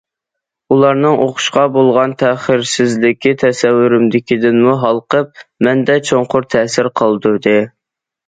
ئۇلارنىڭ ئوقۇشقا بولغان تەخىرسىزلىكى تەسەۋۋۇرۇمدىكىدىنمۇ ھالقىپ، مەندە چوڭقۇر تەسىر قالدۇردى.